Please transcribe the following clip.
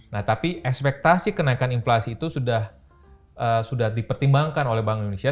nah tapi ekspektasi kenaikan inflasi itu sudah dipertimbangkan oleh bank indonesia